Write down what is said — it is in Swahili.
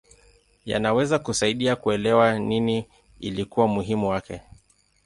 Yanaweza kusaidia kuelewa nini ilikuwa muhimu kwake.